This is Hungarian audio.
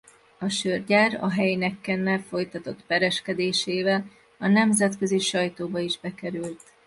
A sörgyár a Heinekennel folytatott pereskedésével a nemzetközi sajtóba is bekerült.